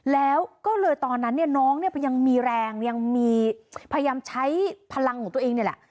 แล้วก็เลยตอนนั้นเนี่ยน้องเนี่ยยังมีแรงยังมีพยายามใช้พลังของตัวเองนี่แหละ